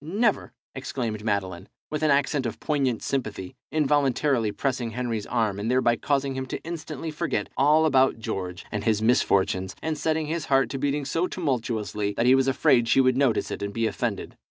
never!" exclaimed Madeline, with an accent of poignant sympathy, involuntarily pressing Henry's arm, and thereby causing him instantly to forget all about George and his misfortunes, and setting his heart to beating so tumultuously that he was afraid she would notice it and be offended.